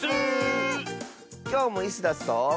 きょうもイスダスと。